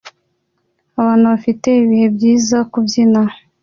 Abantu bafite ibihe byiza kubyina